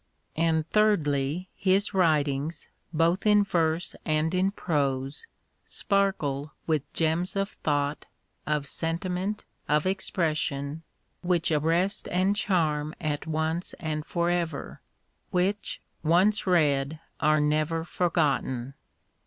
And, thirdly, his writings, both in verse and in prose, sparkle with gems of thought, of sentiment, of expression which arrest and charm at once and for ever, which, once read, are never forgotten.